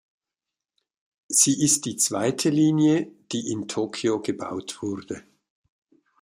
Sie ist die zweite Linie, die in Tokio gebaut wurde.